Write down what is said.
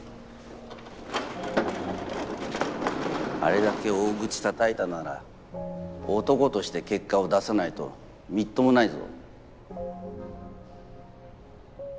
あれだけ大口たたいたなら男として結果を出さないとみっともないぞ。